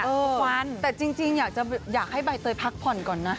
อ๋อควันแต่จริงอยากให้ใบเตยพักผ่อนก่อนนะ